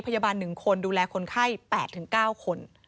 พยาบาลหนึ่งคนดูแลคนไข้แปดถึงเก้าคน